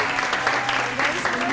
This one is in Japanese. お願いします